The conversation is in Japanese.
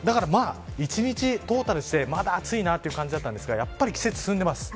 １日トータルしてまだ暑いという感じなんですがやっぱり季節が進んでいます。